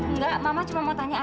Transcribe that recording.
enggak mama cuma mau tanya